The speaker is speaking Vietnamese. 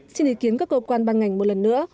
xin ý kiến các cơ quan ban ngành một lần nữa